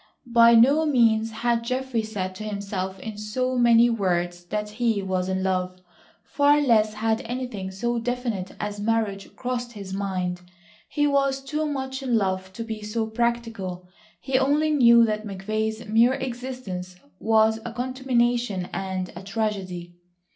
By no means had Geoffrey said to himself in so many words that he was in love,—far less had anything so definite as marriage crossed his mind. He was too much in love to be so practical. He only knew that McVay's mere existence was a contamination and a tragedy.